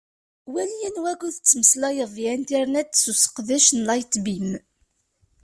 Wali anwa ukud i tettmeslayeḍ di Internet s useqdec n Lightbeam.